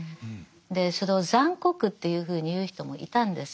でそれを残酷というふうに言う人もいたんです。